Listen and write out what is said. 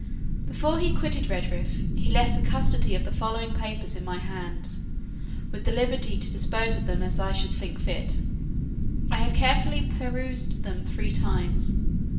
Before he quitted Redriff, he left the custody of the following papers in my hands, with the liberty to dispose of them as I should think fit. I have carefully perused them three times.